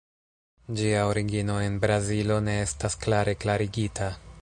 Ĝia origino en Brazilo ne estas klare klarigita.